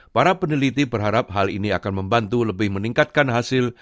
para peneliti berharap hal ini akan membantu lebih meningkatkan hasil